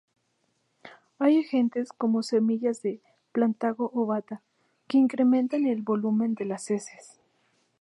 Hay agentes como semillas de "Plantago ovata" que incrementan el volumen de las heces.